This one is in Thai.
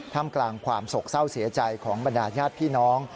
กลางกลางความโศกเศร้าเสียใจของบรรดาญาติพี่น้อง